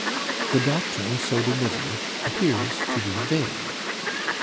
The doctrine so delivered appears to be vague.